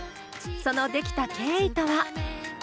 その出来た経緯とは？